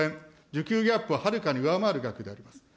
需給ギャップをはるかに上回る額であります。